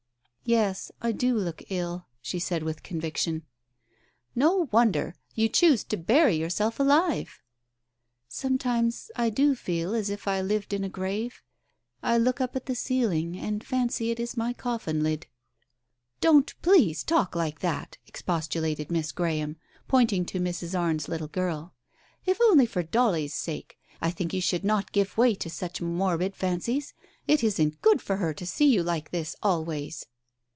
"Yes, I do look ill," she said with conviction. " No wonder. You choose to bury yourself alive." "Sometimes I do feel as if I lived in a grave. I look up at the ceiling and fancy it is my coffin lid." "Don't please talk like that!" expostulated Miss Graham, pointing to Mrs. Arne's little girl. "If only for Dolly's sake, I think you should not give way to such morbid fancies. It isn't good for her to see you like this always."